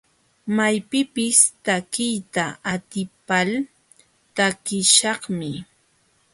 Maypipis takiyta atipal takiśhaqmi.